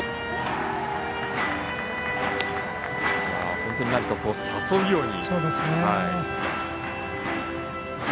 本当に何か誘うように。